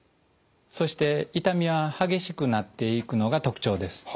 そして痛みは激しくなっていくのが特徴です。